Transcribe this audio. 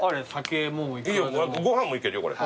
ご飯もいけるよこれ。